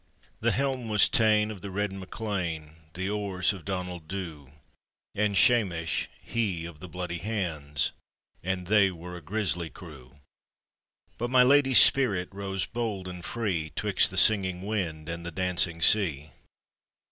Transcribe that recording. The helm was ta'en of the red MacLean, The oars of Donald Dhu, And Shamesh, he of the bloody hands — And they were a grisly crew; But my lady's spirit rose bold and free 'Twixt the singing wind and the dancing sea.